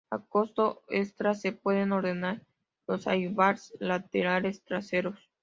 A costo extra se pueden ordenar los airbags laterales traseros.